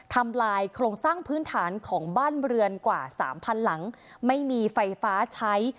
ทำลายโครงสร้างพื้นฐานของบ้านเรือนกว่าสามพันหลังไม่มีไฟฟ้าใช้